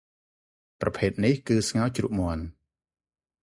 ប្រភេទនេះ គឺស្ងោជ្រក់មាន់ ។